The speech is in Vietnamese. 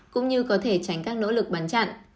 cũng như có thể tránh các nỗ lực bắn chặn